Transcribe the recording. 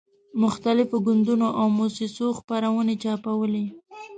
مختلفو ګوندونو او موسسو خپرونې چاپولې.